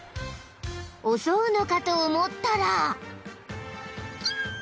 ［襲うのかと思ったら］